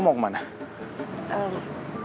makasih banyak ya bu